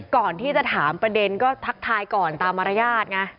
ก่อนที่จะถามประเด็นก็ทักทายก่อนตามมารยาทไง